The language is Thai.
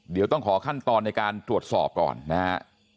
เดี๋ยวต้องขอขั้นตอนในการตรวจสอบก่อนนะฮะ